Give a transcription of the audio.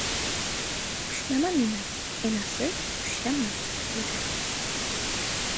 — Ushlama meni, enasi, ushlama! — dedi.